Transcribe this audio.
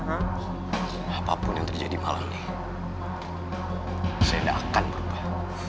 apapun yang terjadi malam ini saya tidak akan berubah